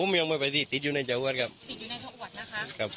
ครับผมยังไม่ประสิทธิ์ติดอยู่ในชาวอวัดครับติดอยู่ในชาวอวัดนะคะครับ